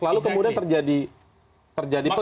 lalu kemudian terjadi